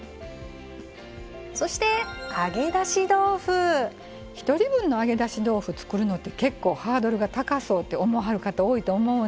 そして１人分の揚げだし豆腐作るのって結構ハードルが高そうって思わはる方多いと思うんです。